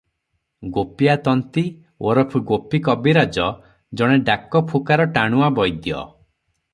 ଗୋପୀଆ ତନ୍ତୀ ଓରଫ ଗୋପୀ କବିରାଜ ଜଣେ ଡାକଫୁକାର ଟାଣୁଆ ବୈଦ୍ୟ ।